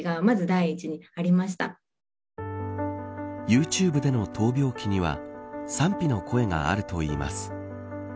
ユーチューブでの闘病記には賛否の声があるといいます。